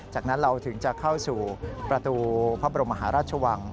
จากนั้นเราถึงจะเข้าสู่ประตูพระบรมมหาราชวัง